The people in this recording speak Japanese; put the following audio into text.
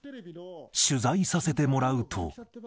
取材させてもらうと。